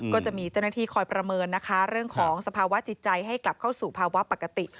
ก็จะมีเจ้าหน้าที่คอยประเมินนะคะเรื่องของสภาวะจิตใจให้กลับเข้าสู่ภาวะปกติ